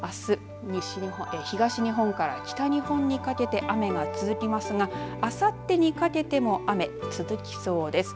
あす、東日本から北日本にかけて雨が続きますがあさってにかけても雨続きそうです。